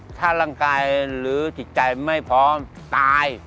ถ้าร่างกายหรือจิตใจไม่พร้อมตาย